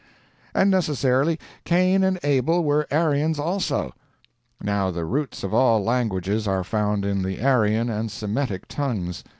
] and necessarily, Cain and Abel were Aryans also. Now the roots of all languages are found in the Aryan and Semitic tongues.